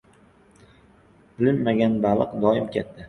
• Ilinmagan baliq doim katta.